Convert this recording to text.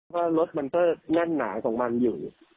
ว่ารถมันก็แน่นหนาของมันอยู่